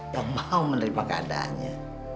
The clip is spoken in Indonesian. yang mau menerima keadaannya